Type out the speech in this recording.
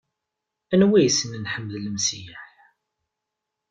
Anwa yessnen Ḥmed Lemseyyeḥ?